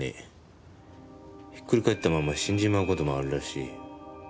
ひっくり返ったまま死んじまう事もあるらしい。